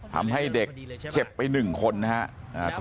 ทำให้เด็กเจ็บไปหนึ่งคนนะฮะ